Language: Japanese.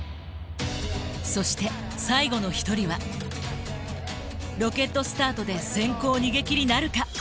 そして最後の一人はロケットスタートで先行逃げきりなるか。